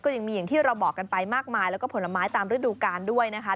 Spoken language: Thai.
ยังมีอย่างที่เราบอกกันไปมากมายแล้วก็ผลไม้ตามฤดูกาลด้วยนะคะ